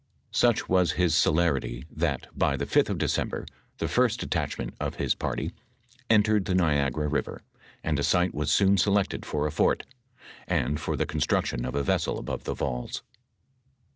Such was his celer ity that, by the 5th of December, the first detachment of hia party entered the Niagara river, and a site was soon selected for a fort, and for the construction of a vessel above the falls.